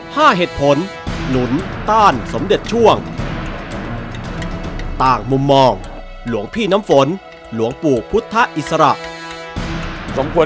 เหตุผลหนุนต้านสมเด็จช่วงต่างมุมมองหลวงพี่น้ำฝนหลวงปู่พุทธอิสระ